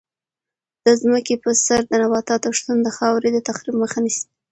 د ځمکې په سر د نباتاتو شتون د خاورې د تخریب مخه نیسي.